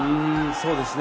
そうですね。